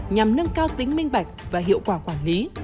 nhằm nâng cao tính minh bạch và hiệu quả quản lý